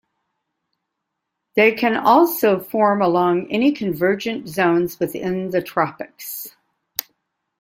They can also form along any convergent zones within the tropics.